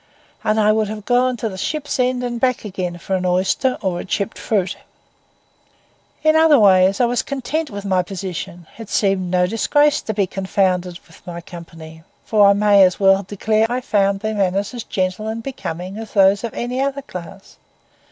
And I would have gone to the ship's end and back again for an oyster or a chipped fruit. In other ways I was content with my position. It seemed no disgrace to be confounded with my company; for I may as well declare at once I found their manners as gentle and becoming as those of any other class.